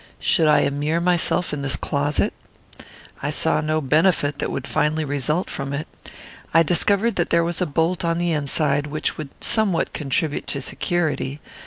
Should I immure myself in this closet? I saw no benefit that would finally result from it. I discovered that there was a bolt on the inside, which would somewhat contribute to security.